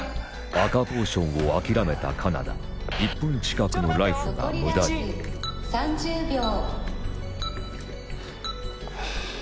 赤ポーションを諦めた金田１分近くのライフが無駄に３０秒。